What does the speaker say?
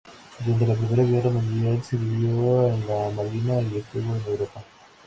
Durante la primera guerra mundial, sirvió en la marina y estuvo en Europa.